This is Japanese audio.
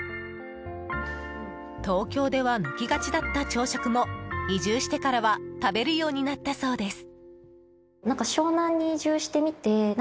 東京では抜きがちだった朝食も移住してからは食べるようになったそうです。